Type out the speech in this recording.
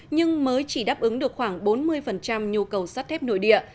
nhưng mới chỉ đáp ứng được khoảng bốn mươi nhu cầu sắt thép nội địa